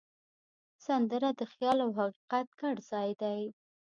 سندره د خیال او حقیقت ګډ ځای دی